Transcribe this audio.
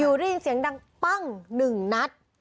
อยู่ได้ยินเสียงดังปั้งหนึ่งนัด